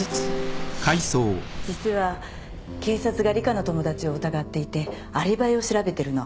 実は警察が里香の友達を疑っていてアリバイを調べてるの